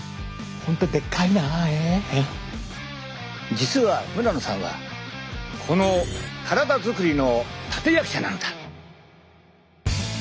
実は村野さんはこの体作りの立て役者なのだ。